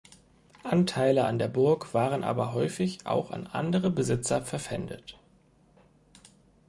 Anteile an der Burg waren aber häufig auch an andere Besitzer verpfändet.